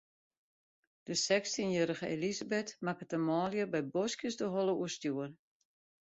De sechstjinjierrige Elisabeth makket de manlju by boskjes de holle oerstjoer.